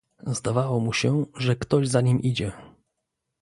"Zdawało mu się, że ktoś za nim idzie."